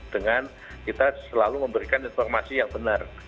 dengan kita selalu memberikan informasi yang benar